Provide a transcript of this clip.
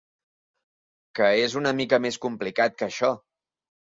Que és una mica més complicat que això.